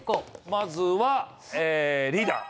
まずはえーリーダー